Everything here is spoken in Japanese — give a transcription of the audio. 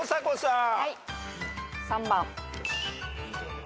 ３番。